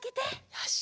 よし。